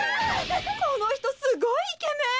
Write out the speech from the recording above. ・このひとすごいイケメン！